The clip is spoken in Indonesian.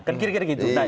kan kira kira gitu